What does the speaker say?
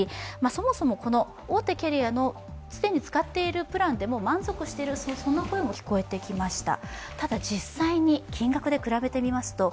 そもそも大手キャリアの既に使っているプランで満足しているという声も聞こえてきました。